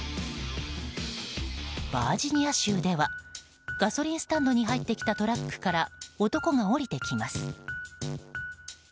バージニア州ではガソリンスタンドに入ってきたトラックから男が降りてきます。